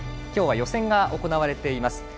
今日は予選が行われています。